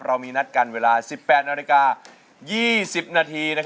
เรามีนัดกันเวลา๑๘นาฬิกา๒๐นาที